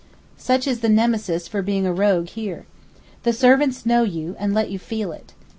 Such is the Nemesis for being a rogue here. The servants know you, and let you feel it.